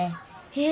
え！